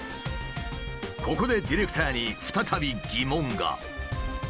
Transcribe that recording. ここでディレクターに再び疑問が。